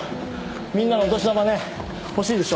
みんなお年玉欲しいでしょ。